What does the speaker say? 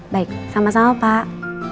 baik sama sama pak